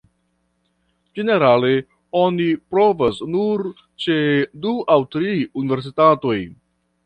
Ĝenerale oni provas nur ĉe du aŭ tri universitatoj.